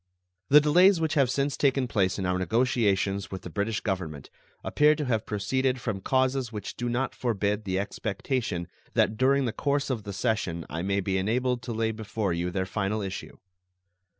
The delays which have since taken place in our negotiations with the British Government appear to have proceeded from causes which do not forbid the expectation that during the course of the session I may be enabled to lay before you their final issue.